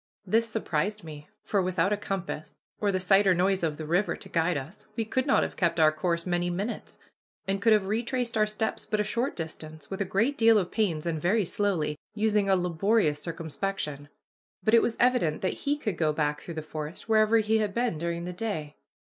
This surprised me, for without a compass, or the sight or noise of the river to guide us, we could not have kept our course many minutes, and could have retraced our steps but a short distance, with a great deal of pains and very slowly, using a laborious circumspection. But it was evident that he could go back through the forest wherever he had been during the day.